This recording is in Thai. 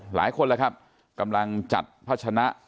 หลายคนแล้วครับกำลังจัดพัชนะ